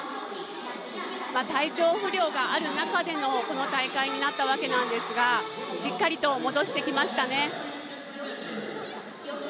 体調不良がある中でのこの大会になったわけですがしっかりと戻してきましたね。